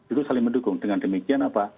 itu saling mendukung dengan demikian apa